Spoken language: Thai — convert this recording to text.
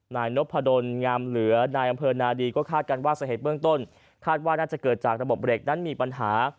นายนพดลงามเหลือนายอำเภอนาดีก็คาดกันว่าสาเหตุเบื้องต้นคาดว่าน่าจะเกิดจากระบบเบรกนั้นมีปัญหา